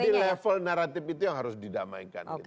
jadi level naratif itu yang harus didamaikan